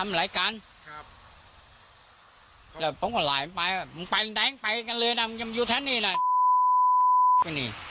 มึงไปแดงไปกันเลยนะมึงอยู่แถวนี้แหละ